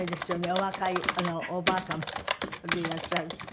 お若いおばあ様でいらっしゃる。